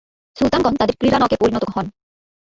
সুলতানগণ তাদের ক্রীড়ানকে পরিণত হন।